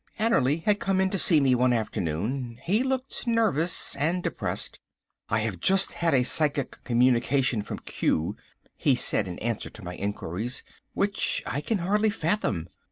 Annerly had come in to see me one afternoon. He looked nervous and depressed. "I have just had a psychic communication from Q," he said in answer to my inquiries, "which I can hardly fathom.